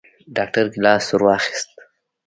ډاکتر ګېلاس ورواخيست.